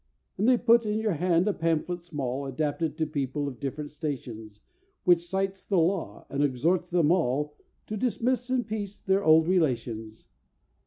"And they put in your hand a pamphlet small, Adapted to people of different stations, Which cites the law, and exhorts them all To dismiss in peace their old relations.